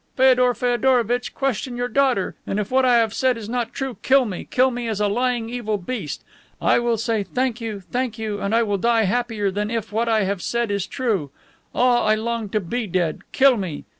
Feodor Feodorovitch, question your daughter, and if what I have said is not true, kill me, kill me as a lying, evil beast. I will say thank you, thank you, and I will die happier than if what I have said was true. Ah, I long to be dead! Kill me!"